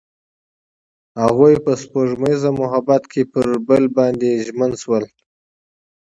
هغوی په سپوږمیز محبت کې پر بل باندې ژمن شول.